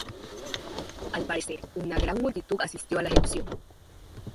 Al parecer, una gran multitud asistió a la ejecución.